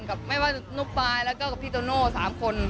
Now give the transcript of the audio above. กับไม่ว่านุ๊กปายแล้วก็กับพี่โตโน่๓คน